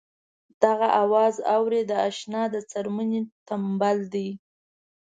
دغه اواز اورې د اشنا د څرمنې تمبل دی.